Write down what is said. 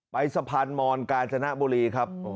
ไปสะพานมอนกาญจนบุรีครับ